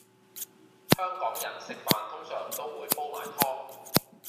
香港人食飯通常會煲埋湯